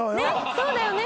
そうだよね？